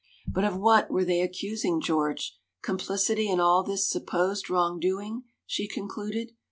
But of what were they accusing George? — complicity in all this supposed wrongdoing, she con cluded.